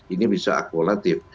ini bisa akulatif